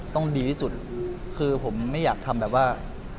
ต้องดีที่สุดคือผมไม่อยากทำแบบว่า